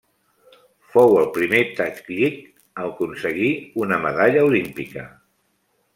Fou el primer tadjik a aconseguir una medalla olímpica.